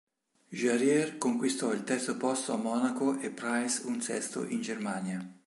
Jarier conquistò il terzo posto a Monaco e Pryce un sesto in Germania.